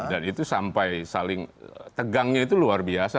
dan itu sampai saling tegangnya itu luar biasa